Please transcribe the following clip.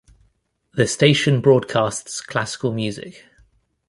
The station broadcasts classical music.